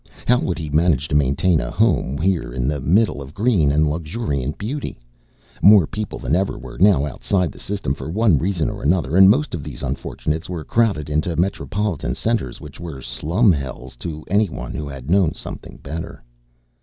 How would he manage to maintain a home here in the middle of green and luxuriant beauty? More people than ever were now outside the System for one reason or another and most of these unfortunates were crowded in metropolitan centers which were slumhells to anyone who had known something better.